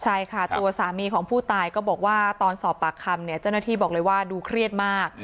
ใช่ค่ะตัวสามีของผู้ตายก็บอกว่าตอนสอบปากคำเนี่ยเจ้าหน้าที่บอกเลยว่าดูเครียดมาก